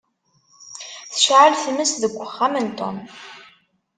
Tecεel tmes deg uxxam n Tom.